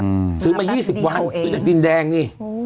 นี่ซื้อมา๒๐วันซื้อจากดินแดงนี่